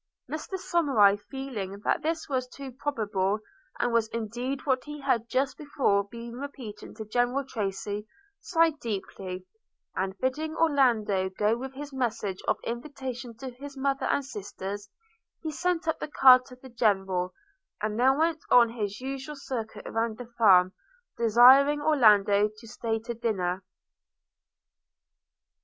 Mr Somerive, feeling that this was too probable, and was indeed what he had just before been repeating to General Tracy, sighed deeply – and bidding Orlando go with his message of invitation to his mother and sisters, he sent up the card to the General; and then went on his usual circuit round his farm, desiring Orlando to stay dinner.